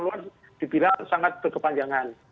luar dibilang sangat berkepanjangan